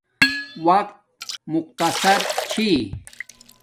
وقت مختصر چھی